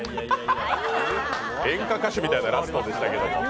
演歌歌手みたいなラストでしたけども。